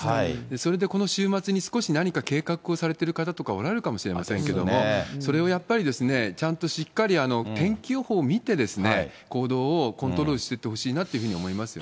それでこの週末に少し何か計画をされている方とかおられるかもしれませんけれども、それをやっぱり、ちゃんとしっかり天気予報を見て、行動をコントロールしていってほしいなって思いますよね。